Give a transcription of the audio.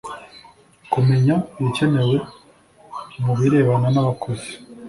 kumenya ibikenewe mu birebana n’abakozi